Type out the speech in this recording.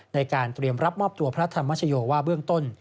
ในการเตรียมรับมอบตัวพระธรรมชโยว่าเบื้องต้น